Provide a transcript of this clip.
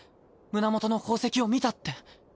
胸元の宝石を見たって。